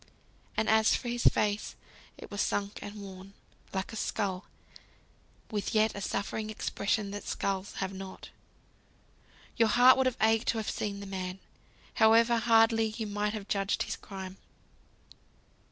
And as for his face, it was sunk and worn, like a skull, with yet a suffering expression that skulls have not! Your heart would have ached to have seen the man, however hardly you might have judged his crime.